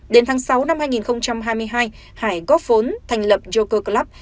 đến tháng sáu năm hai nghìn hai mươi hai hải góp vốn thành lập joker club